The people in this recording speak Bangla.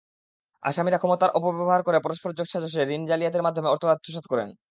আসামিরা ক্ষমতার অপব্যবহার করে পরস্পর যোগসাজশে ঋণ-জালিয়াতির মাধ্যমে অর্থ আত্মসাৎ করেন।